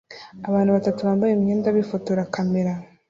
Abantu batatu bambaye imyenda bifotora kamera